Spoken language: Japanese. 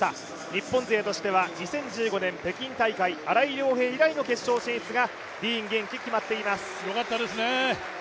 日本勢としては２０１５年北京大会、新井涼平以来の決勝進出がディーン元気、決まっています。